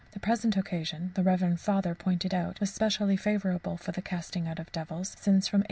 The present occasion, the reverend Father pointed out, was specially favourable for the casting out of devils, since from 8.